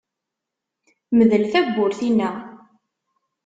Mdel tawwurt-inna.